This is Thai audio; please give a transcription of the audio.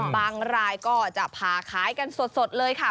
รายก็จะพาขายกันสดเลยค่ะ